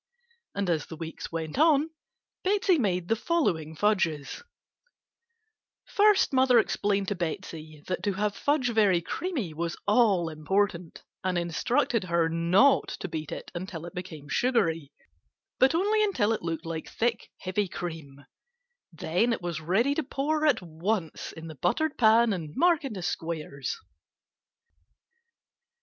And as the weeks went on Betsey made the following fudges: First mother explained to Betsey that to have fudge very creamy was all important, and instructed her not to beat it until it became sugary, but only until it looked like thick heavy cream, then it was ready to pour at once in the buttered pan and mark in squares.